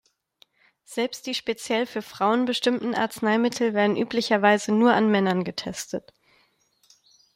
Selbst die speziell für Frauen bestimmten Arzneimittel werden üblicherweise nur an Männern getestet.